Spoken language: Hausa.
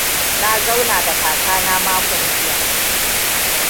Na zauna da kakana makon jiya.